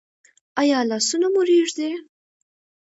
ایا لاسونه مو ریږدي؟